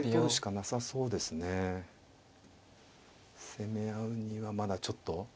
攻め合うにはまだちょっと。